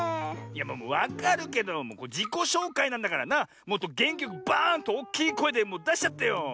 わかるけどじこしょうかいなんだからなもっとげんきよくバーンとおっきいこえでだしちゃってよ。